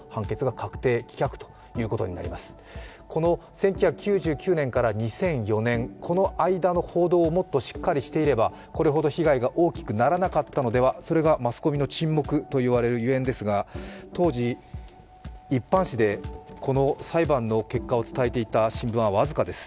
１９９９年から２００４年の報道をもっとしっかりしていれば、もっとしっかりしていればこれほど被害が大きくならなかったのでは、それがマスコミの沈黙と言われるゆえんですが当時、一般紙でこの裁判の結果を伝えていた新聞は僅かです。